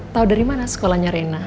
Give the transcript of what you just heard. tahu dari mana sekolahnya rena